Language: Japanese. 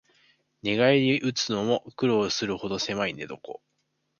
寝返りうつのも苦労するほどせまい寝床